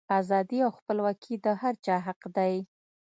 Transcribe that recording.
ازادي او خپلواکي د هر چا حق دی.